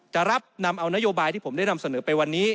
จะรับนำเอานโยบายที่ผมได้นำเสนอไปวันนี้